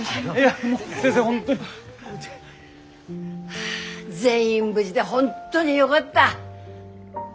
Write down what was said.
はあ全員無事で本当によがった。